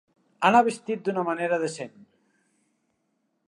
Anar vestit d'una manera decent.